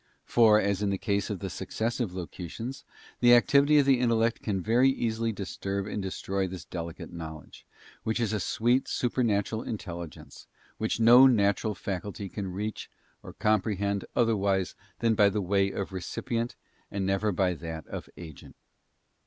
For, as in the case of the Successive Locutions, the activity of the intellect can very easily disturb and destroy this delicate knowledge, which is a sweet supernatural intelligence, which no natural faculty can reach or comprehend otherwise than by the way of recipient, and never by that of agent.